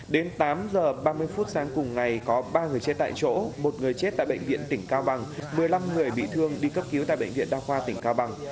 đến tám h ba mươi phút sáng cùng ngày có ba người chết tại chỗ một người chết tại bệnh viện tỉnh cao bằng một mươi năm người bị thương đi cấp cứu tại bệnh viện đa khoa tỉnh cao bằng